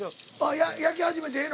焼き始めてええの？